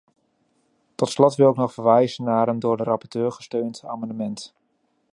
Tot slot wil ik nog verwijzen naar een door de rapporteur gesteund amendement.